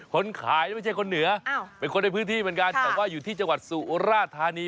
คนขายไม่ใช่คนเหนือเป็นคนในพื้นที่เหมือนกันแต่ว่าอยู่ที่จังหวัดสุราธานี